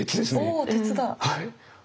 おお鉄だ！